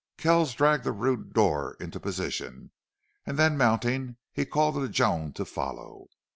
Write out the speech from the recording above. Kells dragged the rude door into position, and then, mounting, he called to Joan to follow.